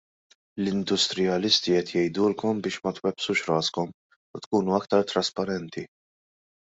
L-industrijalisti qed jgħidulkom biex ma twebbsux raskom u tkunu aktar trasparenti.